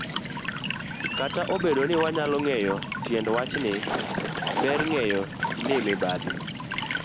Kata obedo ni wanyalo ng'eyo tiend wachni, ber ng'eyo ni mibadhi